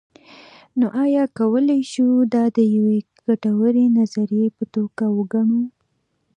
نو ایا کولی شو دا د یوې ګټورې نظریې په توګه وګڼو.